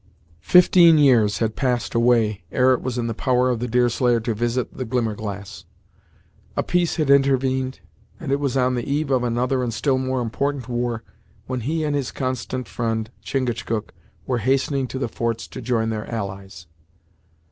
Fifteen years had passed away, ere it was in the power of the Deerslayer to revisit the Glimmerglass. A peace had intervened, and it was on the eve of another and still more important war, when he and his constant friend, Chingachgook, were hastening to the forts to join their allies.